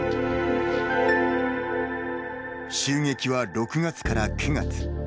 襲撃は６月から９月。